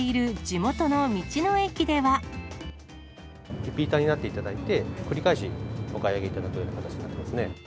リピーターになっていただいて、繰り返しお買い上げいただくような形になってますね。